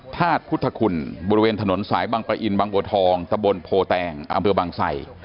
ธาตุพุทธคุณบริเวณถนนสายบังปะอินบางบัวทองตะบนโพแตงอำเภอบังไส